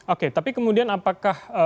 oke tapi kemudian apakah